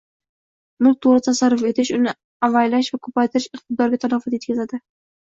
— mulkni to‘g‘ri tasarruf etish, uni avaylash va ko‘paytirish iqtidorga talofat yetkazadi.